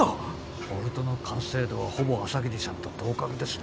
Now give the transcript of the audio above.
ボルトの完成度はほぼ朝霧さんと同格ですね。